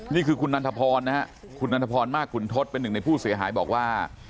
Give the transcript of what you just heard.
นี่คือคุณนันทพรนะฮะคุณนันทพรมากขุนทศเป็นหนึ่งในผู้เสียหายบอกว่า